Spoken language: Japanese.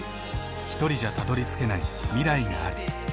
ひとりじゃたどりつけない未来がある。